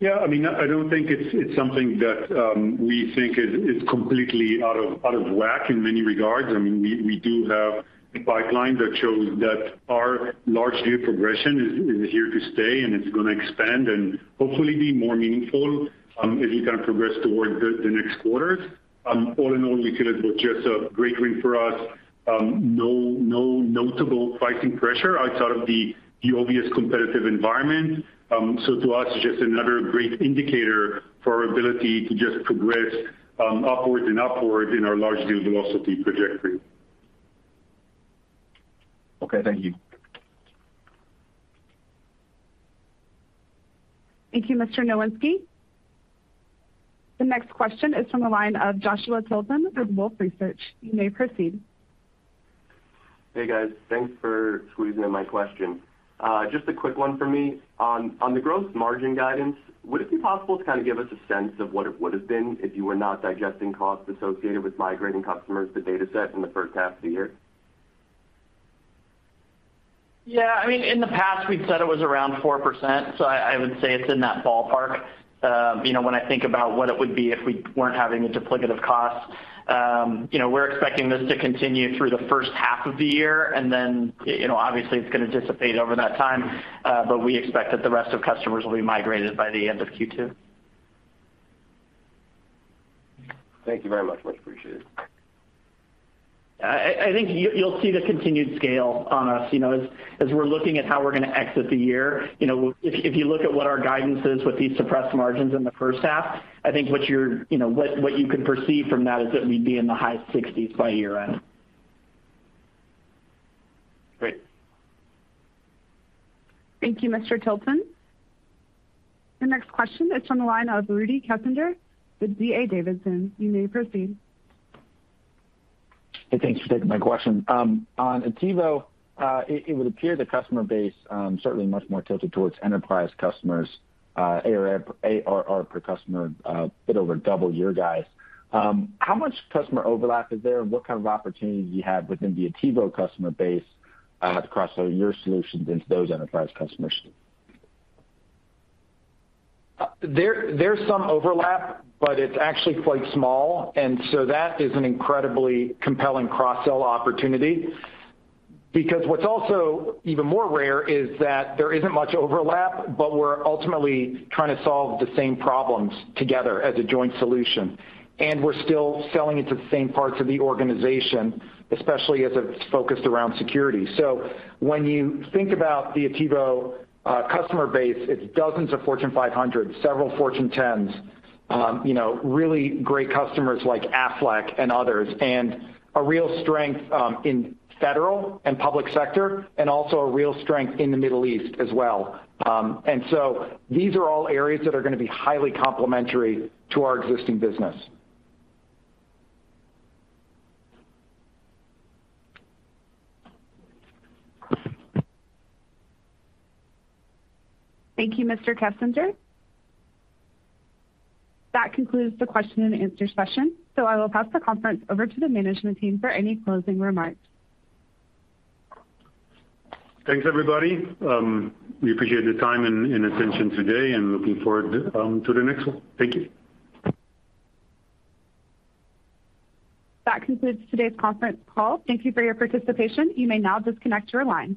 Yeah, I mean, I don't think it's something that we think is completely out of whack in many regards. I mean, we do have a pipeline that shows that our large deal progression is here to stay, and it's gonna expand and hopefully be more meaningful as we kind of progress toward the next quarters. All in all, Liquid was just a great win for us. No notable pricing pressure outside of the obvious competitive environment. To us, just another great indicator for our ability to just progress upwards in our large deal velocity trajectory. Okay, thank you. Thank you, Mr. Nowinski. The next question is from the line of Joshua Tilton with Wolfe Research. You may proceed. Hey, guys. Thanks for squeezing in my question. Just a quick one for me. On the gross margin guidance, would it be possible to kind of give us a sense of what it would have been if you were not digesting costs associated with migrating customers to DataSet in the first half of the year? Yeah, I mean, in the past we've said it was around 4%, so I would say it's in that ballpark. You know, when I think about what it would be if we weren't having the duplicative costs. You know, we're expecting this to continue through the first half of the year and then, you know, obviously it's gonna dissipate over that time, but we expect that the rest of customers will be migrated by the end of Q2. Thank you very much. Much appreciated. I think you'll see the continued scale on us, you know, as we're looking at how we're gonna exit the year. You know, if you look at what our guidance is with these suppressed margins in the first half, I think, you know, what you can perceive from that is that we'd be in the high 60s by year-end. Great. Thank you, Mr. Tilton. The next question is from the line of Rudy Kessinger with D.A. Davidson. You may proceed. Hey, thanks for taking my question. On Attivo, it would appear the customer base certainly much more tilted towards enterprise customers, ARR per customer bit over double your guys. How much customer overlap is there, and what kind of opportunities do you have within the Attivo customer base to cross-sell your solutions into those enterprise customers? There's some overlap, but it's actually quite small, and so that is an incredibly compelling cross-sell opportunity. Because what's also even more rare is that there isn't much overlap, but we're ultimately trying to solve the same problems together as a joint solution. We're still selling it to the same parts of the organization, especially as it's focused around security. When you think about the Attivo customer base, it's dozens of Fortune 500, several Fortune 10s, really great customers like Aflac and others, and a real strength in federal and public sector, and also a real strength in the Middle East as well. These are all areas that are gonna be highly complementary to our existing business. Thank you, Mr. Kessinger. That concludes the question and answer session, so I will pass the conference over to the management team for any closing remarks. Thanks, everybody. We appreciate the time and attention today and looking forward to the next one. Thank you. That concludes today's conference call. Thank you for your participation. You may now disconnect your line.